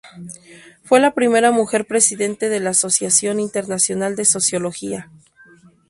Fue la primera mujer Presidente de la Asociación Internacional de Sociología.